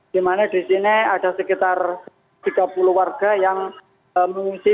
di mana di sini ada sekitar tiga puluh warga yang mengungsi